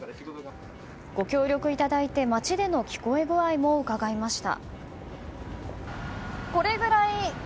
ご協力いただいて街での聞こえ具合も伺いました。